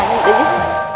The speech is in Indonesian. tunggu saya mau lihat